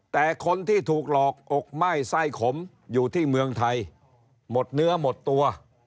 แต่คนที่ถูกหลอกอกไหม้ไส้ขมอยู่ที่เมืองไทยหมดเนื้อหมดตัว